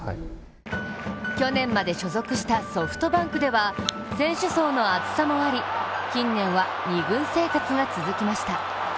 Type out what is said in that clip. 去年まで所属したソフトバンクでは選手層の厚さもあり近年は２軍生活が続きました。